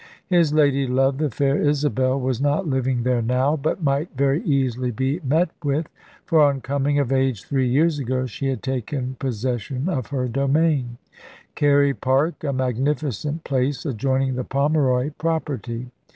His lady love, the fair Isabel, was not living there now, but might very easily be met with; for on coming of age three years ago, she had taken possession of her domain, "Carey Park," a magnificent place adjoining the Pomeroy property.